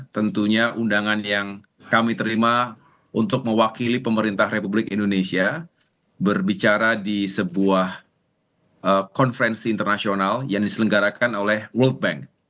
tentunya undangan yang kami terima untuk mewakili pemerintah republik indonesia berbicara di sebuah konferensi internasional yang diselenggarakan oleh world bank